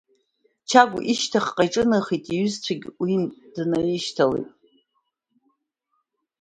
Чагә ишьҭахьҟа иҿынеихеит, иҩызагьы уи днаишьҭалеит.